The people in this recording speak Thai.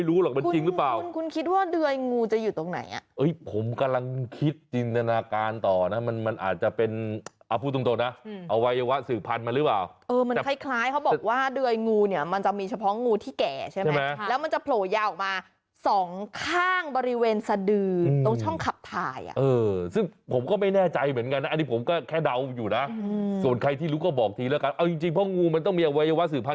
ลูกเอาว่านี่งูที่แก่ใช่ไหมใช่ครับแล้วมันจะโผล่ยาออกมาสองข้างบริเวณสะดืออืมตรงช่องขับถ่ายอ่ะเออซึ่งผมก็ไม่แน่ใจเหมือนกันนะอันนี้ผมก็แค่เดาอยู่นะอืมส่วนใครที่รู้ก็บอกทีแล้วกันเอาจริงพ่องูมันต้องมีอวัยวาสสืบ